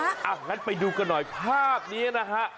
อย่างนั้นไปดูกันหน่อยภาพนี้นะฮะ